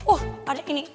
oh ada ini